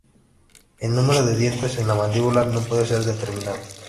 El número de dientes en la mandíbula no puede ser determinado.